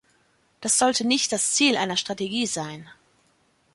Das sollte nicht das Ziel einer Strategie sein.